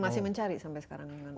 masih mencari sampai sekarang